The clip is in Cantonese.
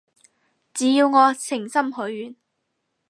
只要我誠心許願